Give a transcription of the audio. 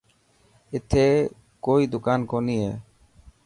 اٿي ڪوئي دڪان ڪوني هي.